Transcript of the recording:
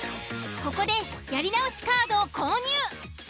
ここで「やり直しカード」を購入。